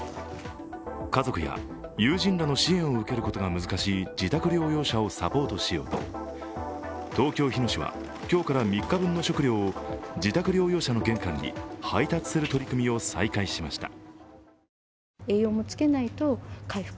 家族や友人らの支援を受けることが難しい自宅療養者をサポートしようと、東京・日野市は今日から３日分の食料を自宅療養者の玄関に配達する取り組みを再開しました。